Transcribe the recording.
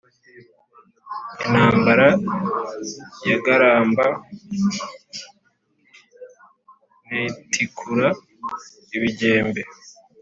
intambara yagaramba nkayitikura ibigembe,